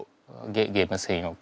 ゲーム専用機。